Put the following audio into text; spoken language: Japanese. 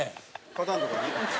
肩んとこね。